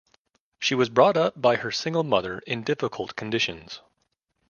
She was brought up by her single mother in difficult conditions.